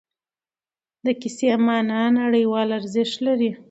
د کیسې معنا نړیوال ارزښت لري.